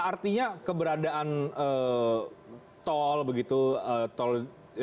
artinya keberadaan tol begitu tol elevated juga ini